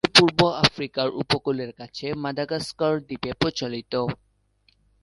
এটি পূর্ব আফ্রিকার উপকূলের কাছে মাদাগাস্কার দ্বীপে প্রচলিত।